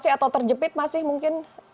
atau terjepit masih mungkin